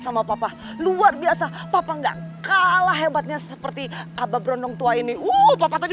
sama papa luar biasa papa nggak kalah hebatnya seperti kaba berontong tua ini uh papa tadi